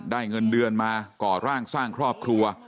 เงินเดือนมาก่อร่างสร้างครอบครัว